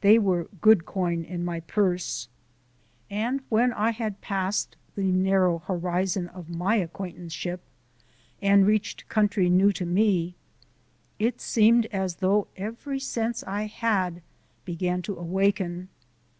They were good coin in my purse! And when I had passed the narrow horizon of my acquaintanceship, and reached country new to me, it seemed as though every sense I had began to awaken.